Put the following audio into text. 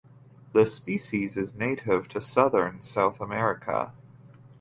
The species is native to southern South America.